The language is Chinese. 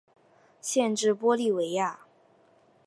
县治玻利维亚。